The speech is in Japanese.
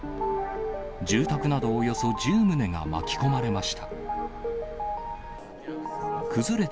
住宅などおよそ１０棟が巻き込まれました。